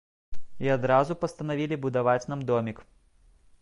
І адразу пастанавілі будаваць нам домік.